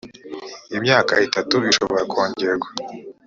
imyaka itatu ishobora kongerwa